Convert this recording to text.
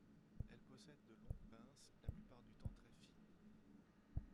Elles possèdent de longues pinces la plupart du temps très fines.